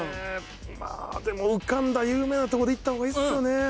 浮かんだ有名なとこでいった方がいいっすよね。